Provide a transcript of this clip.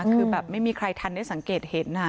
คือแบบไม่มีใครทันได้สังเกตเห็น